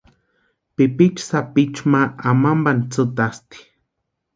Pipichu sapichu ma amampani tsïtasti.